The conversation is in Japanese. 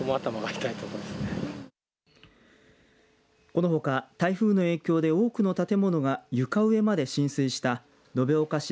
このほか台風の影響で多くの建物が床上まで浸水した延岡市